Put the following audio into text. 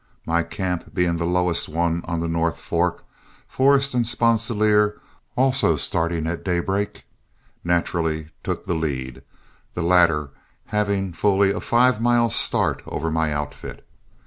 My camp being the lowest one on the North Fork, Forrest and Sponsilier, also starting at daybreak, naturally took the lead, the latter having fully a five mile start over my outfit.